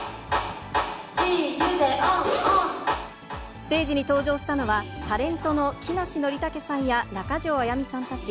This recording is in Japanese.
ステージに登場したのは、タレントの木梨憲武さんや中条あやみさんたち。